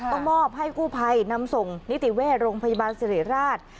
ต้องมอบให้กู้ภัยนำส่งนิติแว่โรงพยาบาลเสรียราช